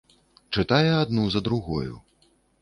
Чытае адну за другою.